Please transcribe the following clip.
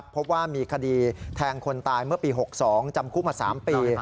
พบว่ามีคดีแทงคนตายเมื่อปี๖๒จำคุกมา๓ปี